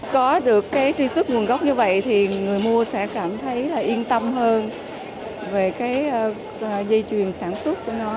có được truy xuất nguồn gốc như vậy thì người mua sẽ cảm thấy yên tâm hơn về dây chuyền sản xuất của nó